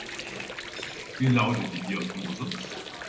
Wie lautet die Diagnose?